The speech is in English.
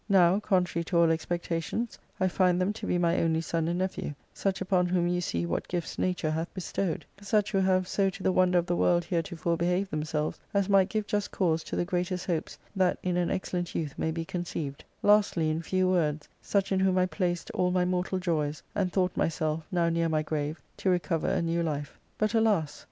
Now, contrary to all expectations, I find them to be my only son and nephew, such upon whom you see what gifts nature hath bestowed ; such who have so to the wonder of the world heretofore behaved themselves as might give just cause to the greatest hopes that in an excellent youth may be conceived ; lastly, in few words, such in whom I placed all my mortal joys, and thought myself, now near my grave, to recover a new life. But, alas